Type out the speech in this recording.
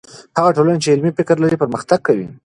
هغه ټولنه چې علمي فکر لري، پرمختګ کوي.